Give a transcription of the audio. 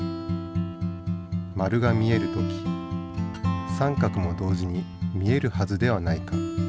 丸が見える時三角も同時に見えるはずではないか。